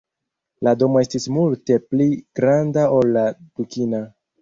La domo estis multe pli granda ol la dukina.